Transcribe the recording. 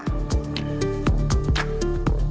pembelian smartphone di tiongkok